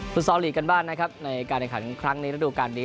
พุทธศอดีกันบ้างนะครับในการเนื้อขันครั้งนี้ระดูกการนี้